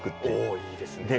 おいいですね。